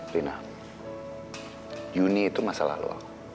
bina yuni itu masa lalu